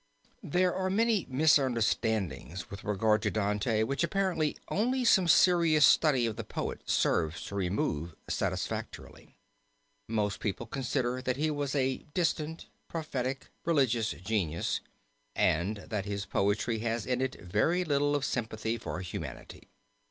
There are many misunderstandings with regard to Dante which apparently only some serious study of the poet serves to remove satisfactorily. Most people consider that he was a distant, prophetic, religious genius, and that his poetry has in it very little of sympathy for humanity.